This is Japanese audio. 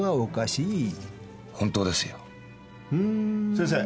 先生。